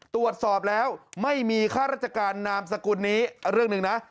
ตรวจสอบแล้วไม่มีค่าราชการนามสกุลนี้เรื่องหนึ่งนะ